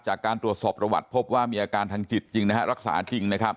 จากการตรวจสอบประวัติพบว่ามีอาการทางจิตจริงรักษาจริง